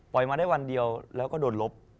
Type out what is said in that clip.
ปล่อยมาได้วันเดียวแล้วก็โดนรบ